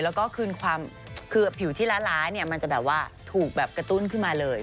แล้วก็คืนความคือผิวที่ร้ายเนี่ยมันจะแบบว่าถูกแบบกระตุ้นขึ้นมาเลย